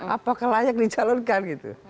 apakah layak dicalonkan